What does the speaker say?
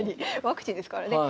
ワクチンですからね。